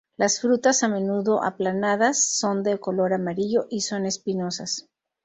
Las frutas, a menudo, aplanadas, son de color amarillo y son espinosas.